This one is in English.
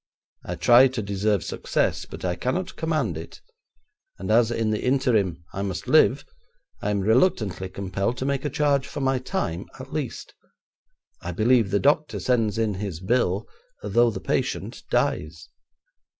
I try to deserve success, but I cannot command it, and as in the interim I must live, I am reluctantly compelled to make a charge for my time, at least. I believe the doctor sends in his bill, though the patient dies.'